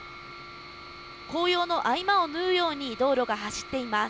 紅葉の合間を縫うように道路が走っています。